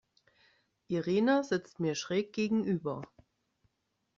Irina sitzt mir schräg gegenüber.